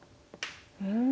うん！